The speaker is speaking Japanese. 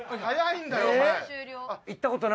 早いんだよお前。